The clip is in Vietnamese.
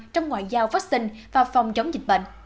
trong ngoại giao vaccine và phòng chống dịch bệnh